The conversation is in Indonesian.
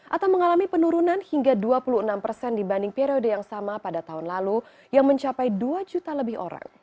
atau mengalami penurunan hingga dua puluh enam persen dibanding periode yang sama pada tahun lalu yang mencapai dua juta lebih orang